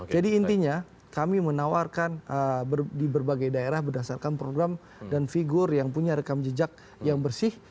jadi intinya kami menawarkan di berbagai daerah berdasarkan program dan figur yang punya rekam jejak yang bersih